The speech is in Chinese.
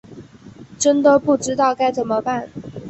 真的不知道该怎么办